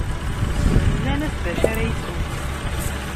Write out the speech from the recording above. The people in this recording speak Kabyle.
Nnan-as d acu ara isew.